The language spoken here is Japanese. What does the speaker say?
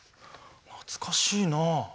懐かしいなあ。